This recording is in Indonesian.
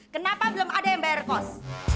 kenapa belum ada yang bayar kos